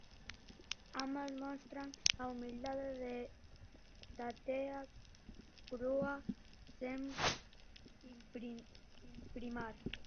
Ambas mostran a humildade da tea crúa, sen imprimar.